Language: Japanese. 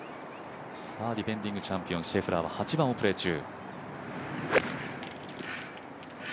ディフェンディングチャンピオン・シェフラーは８番をプレー中。